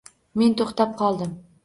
Men to`xtab qoldim